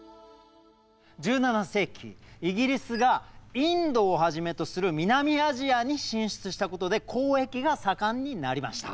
１７世紀イギリスがインドをはじめとする南アジアに進出したことで交易が盛んになりました。